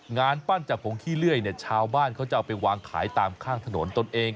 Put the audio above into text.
งานปั้นจากผงขี้เลื่อยเนี่ยชาวบ้านเขาจะเอาไปวางขายตามข้างถนนตนเอง